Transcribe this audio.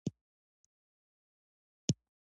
سرخ پارسا اوبه رڼې دي؟